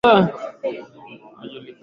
unaojulikanayo kwa jina la Kimasai engidara